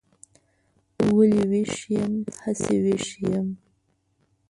ولې ویښ یم؟ هسې ویښ یم.